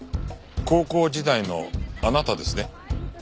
高校時代のあなたですね？